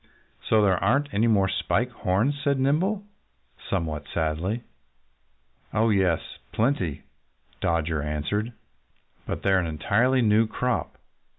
"So there aren't any more Spike Horns!" said Nimble somewhat sadly. "Oh, yes! Plenty!" Dodger answered. "But they're an entirely new crop.